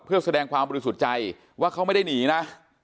เพื่อแสดงความบริสุทธิ์ใจว่าเขาไม่ได้หนีนะ